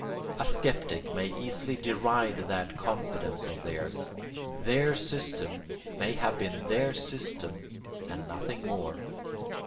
A sceptic may easily deride that confidence of theirs; their system may have been their system and nothing more.